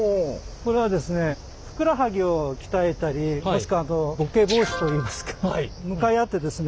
これはですねふくらはぎを鍛えたりもしくはボケ防止といいますか向かい合ってですね